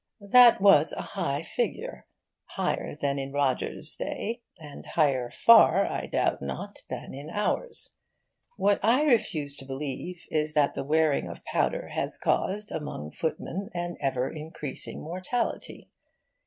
That was a high figure higher than in Rogers' day, and higher far, I doubt not, than in ours. What I refuse to believe is that the wearing of powder has caused among footmen an ever increasing mortality.